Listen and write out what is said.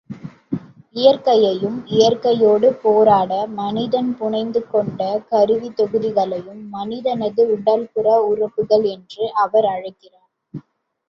இயற்கையையும், இயற்கையோடு போராட மனிதன் புனைந்து கொண்ட கருவித் தொகுதிகளையும், மனிதனது உடல்புற உறுப்புக்கள் என்று அவர் அழைக்கிறார்.